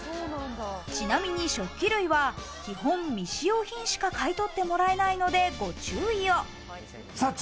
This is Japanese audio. ちなみに食器類は、基本、未使用品のみしか買い取ってもらえないので、ご注意を。